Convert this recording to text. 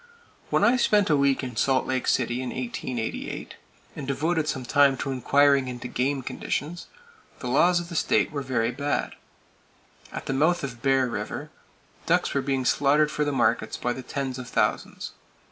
When I spent a week in Salt Lake City in 1888, and devoted some time to inquiring into game conditions, the laws of the state were very bad. At the mouth of Bear River, ducks were being slaughtered for the markets by the tens of thousands.